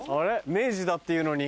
明治だっていうのに。